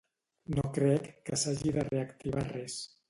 No crec que s’hagi de reactivar res.